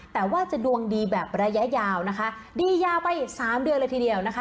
แต่ว่าจะดวงดีแบบระยะยาวนะคะดียาวไปอีกสามเดือนเลยทีเดียวนะคะ